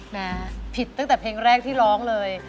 ผิดตั้งแต่เพลงแรกที่ร้องเลย